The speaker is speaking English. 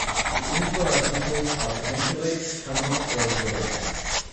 The inflorescences are paniculate, terminal or axillary.